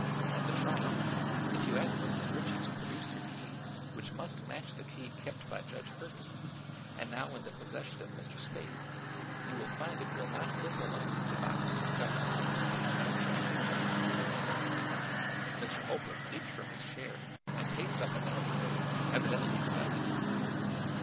At the trial, if you ask Mrs. Ritchie to produce her key, which must match the key kept by Judge Ferguson and now in the possession of Mr. Spaythe, you will find it will not fit the lock of the box discovered in Toby Clark's back yard." Mr. Holbrook leaped from his chair and paced up and down the room, evidently excited.